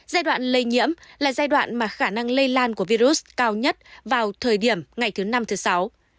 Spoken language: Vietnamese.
giai đoạn lây nhiễm là giai đoạn mà khả năng lây lan của virus cao nhất vào thời điểm ngày thứ năm thứ sáu